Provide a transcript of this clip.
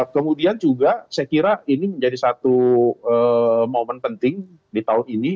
kemudian juga saya kira ini menjadi satu momen penting di tahun ini